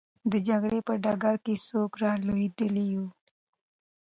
د جګړې په ډګر کې څوک رالوېدلی وو؟